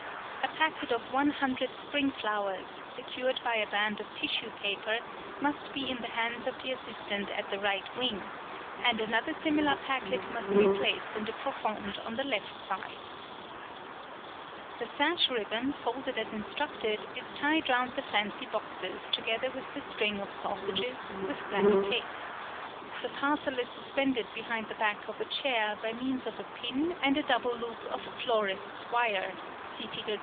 A packet of one hundred spring flowers, secured by a band of tissue paper, must be in the hands of the assistant at the right wing; and another similar packet must be placed in the profonde on the left side. Fig. 20. Double Wire Loop.florists's wire The sash ribbon, folded as instructed, is tied round the fancy boxes together with the string of sausages, with black tape. The parcel is suspended behind the back of a chair by means of a pin and a double loop of florist's wire (see Fig.